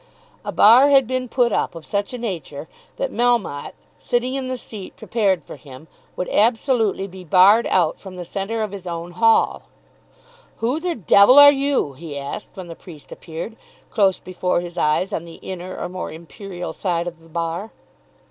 A bar had been put up of such a nature that Melmotte, sitting in the seat prepared for him, would absolutely be barred out from the centre of his own hall. "Who the d are you?" he asked, when the priest appeared close before his eyes on the inner or more imperial side of the bar.